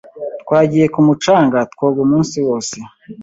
Twagiye ku mucanga twoga umunsi wose.